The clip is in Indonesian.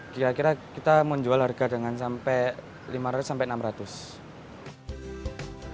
kira kira kita menjual harga dengan sampai lima ratus sampai enam ratus